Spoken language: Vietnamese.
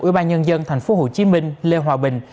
ủy ban nhân dân tp hcm lê hòa bình